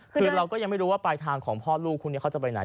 คือเราก็ยังไม่รู้ว่าปลายทางของพ่อลูกคู่นี้เขาจะไปไหน